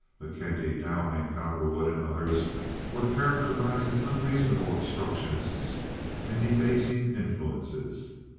McKenty, Dowling, Cowperwood, and others were characterized as unreasonable obstructionists and debasing influences.